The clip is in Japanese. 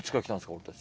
俺たち。